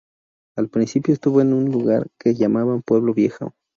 Al principio estuvo en un lugar que llamaban "Pueblo Viejo".